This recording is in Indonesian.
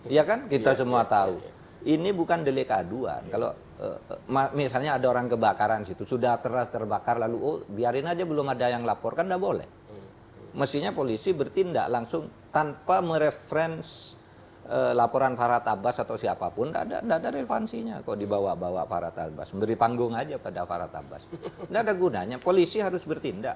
ya kan kita semua tahu ini bukan beli keaduan kalau misalnya ada orang kebakaran disitu sudah terbakar lalu oh biarin aja belum ada yang laporkan tidak boleh mestinya polisi bertindak langsung tanpa mereference laporan farhad ardhafas atau siapapun tidak ada relevansinya kalau dibawa bawa farhad ardhafas memberi panggung saja pada farhad ardhafas tidak ada gunanya polisi harus bertindak